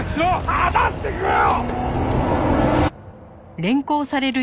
離してくれよ！